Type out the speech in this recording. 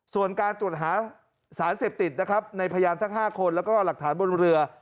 ส่วนการตรวจหาสารเสพติดนะครับในพยานทั้ง๕คนแล้วก็หลักฐานบนเรือ